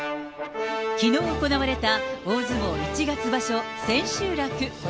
きのう行われた大相撲１月場所千秋楽。